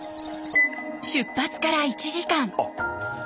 出発から１時間。